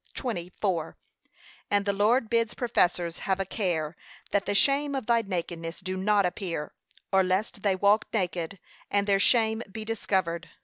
20:4) and the Lord bids professors have a care, 'that the shame of thy nakedness do not appear,' or lest they walk naked, and their shame be discovered.